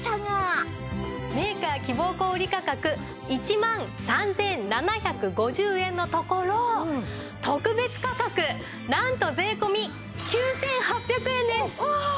メーカー希望小売価格１万３７５０円のところ特別価格なんと税込９８００円です。ああ！